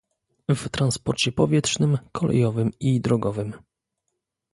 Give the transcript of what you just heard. w transporcie powietrznym, kolejowym i drogowym